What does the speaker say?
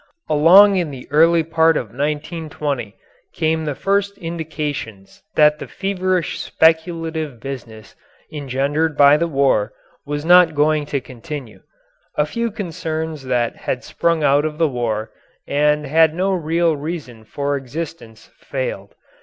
Along in the early part of 1920 came the first indications that the feverish speculative business engendered by the war was not going to continue. A few concerns that had sprung out of the war and had no real reason for existence failed.